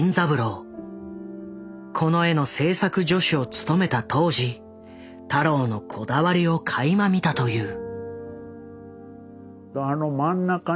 この絵の制作助手を務めた当時太郎のこだわりをかいま見たという。